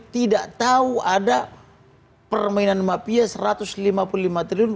tidak tahu ada permainan mafia rp satu ratus lima puluh lima triliun